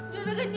diam di situ